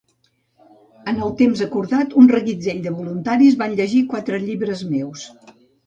En el temps acordat, un reguitzell de voluntaris van llegir quatre llibres meus.